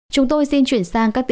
chúng tôi xin chuyển sang các bài hỏi